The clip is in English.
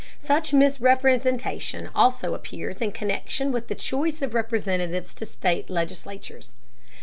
Such misrepresentation also appears in connection with the choice of representatives to the state legislatures.